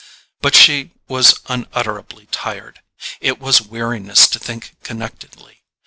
But she was unutterably tired; it was weariness to think connectedly.